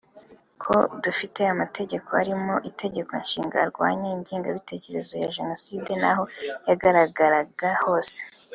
Ko dufite amategeko arimo Itegeko Nshinga arwanya ingengabitekerezo ya Jenoside n’aho yagaragara hose